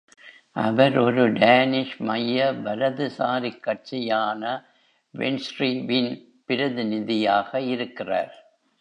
அவர் ஒரு டானிஷ் மைய-வலது சாரி கட்சியான Venstreவின் பிரதிநிதியாக இருக்கிறார்.